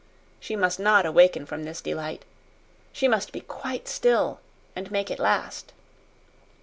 She must not awaken from this delight she must be quite still and make it last.